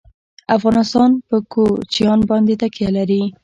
افغانستان په کوچیان باندې تکیه لري.